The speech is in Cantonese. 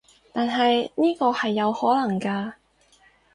但係呢個係有可能㗎